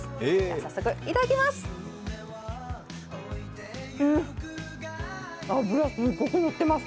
早速、いただきます。